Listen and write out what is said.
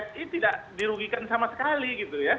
ini tidak dirugikan sama sekali gitu ya